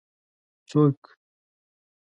ـ څوک؟